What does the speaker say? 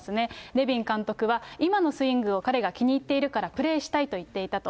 レビン監督は、今のスイングを彼が気に入っているからプレーしたいと言っていたと。